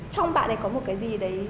trong bạn ấy có một cái gì đấy